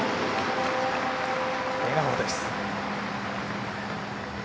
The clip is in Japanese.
笑顔です。